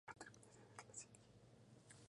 Fue patrocinada por la empresa española Acciona.